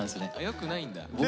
よくないんだ。